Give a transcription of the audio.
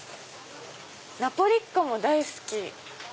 「ナポリっ子も大好き」。